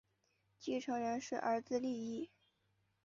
继承人是儿子利意。